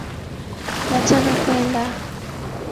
Nataka kwenda